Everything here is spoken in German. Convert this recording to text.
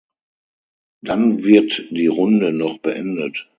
Dann wird die Runde noch beendet.